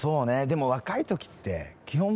でも若い時って基本